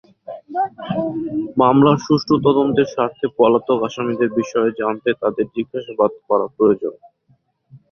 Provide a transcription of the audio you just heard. মামলার সুষ্ঠু তদন্তের স্বার্থে পলাতক আসামিদের বিষয়ে জানতে তাঁদের জিজ্ঞাসাবাদ করা প্রয়োজন।